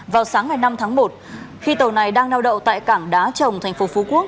vào sáng ngày năm tháng một khi tàu này đang neo đậu tại cảng đá trồng thành phố phú quốc